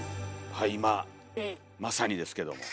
はい今まさにですけども。